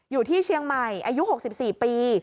อยู่ที่เชียงใหม่อายุ๖๔ปี